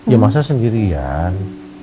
ya masa sendirian